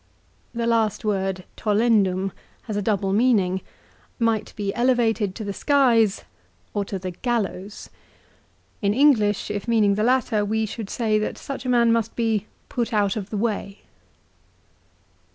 1 The last word "tollen dum" has a double meaning; might be elevated to the skies, or to the "gallows." In English if meaning the latter, we should say that such a man must be " put out of the way."